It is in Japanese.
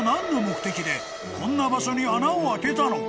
［こんな場所に穴を開けたのか？］